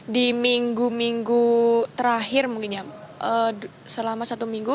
di minggu minggu terakhir mungkin ya selama satu minggu